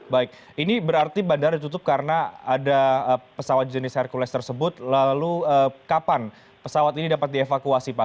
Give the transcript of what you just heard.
baik ini berarti bandara ditutup karena ada pesawat jenis hercules tersebut lalu kapan pesawat ini dapat dievakuasi pak